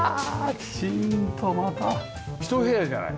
きちんとまた一部屋じゃない。